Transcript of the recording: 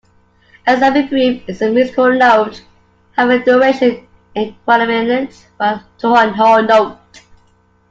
A semibrieve is a musical note having a duration equivalent to a whole note